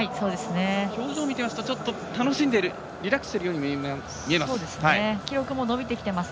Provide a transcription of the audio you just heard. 表情を見ていると楽しんでいるリラックスしているよう見えます。